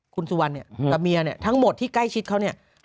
คุณสุวรรณเนี่ยกับเมียเนี่ยทั้งหมดที่ใกล้ชิดเขาเนี่ย